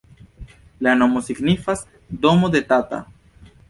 La nomo signifas domo de Tata.